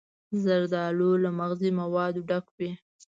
زردالو له مغذي موادو ډک وي.